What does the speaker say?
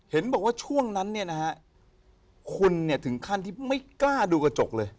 เห็นบอกว่าช่วงนั้นเนี่ยนะฮะคุณเนี่ยถึงขั้นที่ไม่กล้าดูกระจกเลย